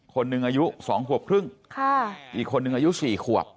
คนนึงอายุสองขวบครึ่งค่ะอีกคนนึงอายุสี่ขวบ